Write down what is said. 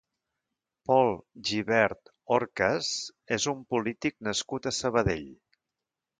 Pol Gibert Horcas és un polític nascut a Sabadell.